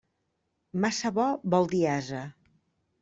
Massa bo vol dir ase.